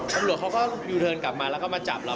ตำรวจเขาก็ยูเทิร์นกลับมาแล้วก็มาจับเรา